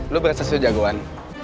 lu berasa sudah jagoan